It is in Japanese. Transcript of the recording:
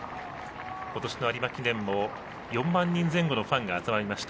今年の有馬記念も４万人前後のファンが集まりました。